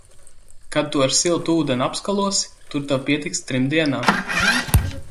Kad tu ar siltu ūdeni apskalosi, tur tev pietiks trim dienām.